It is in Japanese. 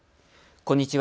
こんにちは。